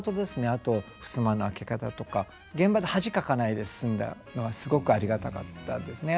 あとふすまの開け方とか。現場で恥かかないで済んだのはすごくありがたかったですね。